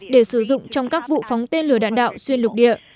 để sử dụng trong các vụ phóng tên lửa đạn đạo xuyên lục địa